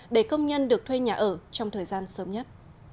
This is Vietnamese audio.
để công nhân được thuê nhà ở trong thời gian sớm nhất